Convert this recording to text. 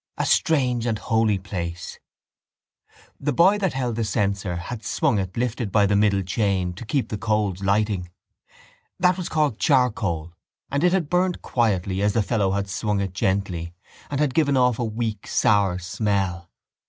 A strange and holy place. The boy that held the censer had swung it gently to and fro near the door with the silvery cap lifted by the middle chain to keep the coals lighting. That was called charcoal: and it had burned quietly as the fellow had swung it gently and had given off a weak sour smell.